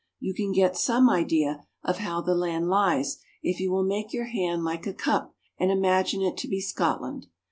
You can get some idea of how GLASGOW AND THE CLYDE. 33 the land lies if you will make your hand like a cup and imagine it to be Scotland.